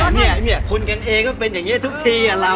นี่เนี่ยเงินเอยก็เป็นอย่างเงี้ยทุกทีอ่ะเรา